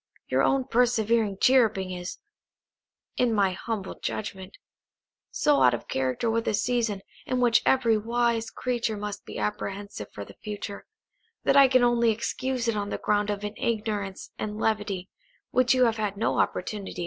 Your own persevering chirruping is (in my humble judgment) so out of character with a season, in which every wise creature must be apprehensive for the future, that I can only excuse it on the ground of an ignorance and levity, which you have had no opportunity of correcting."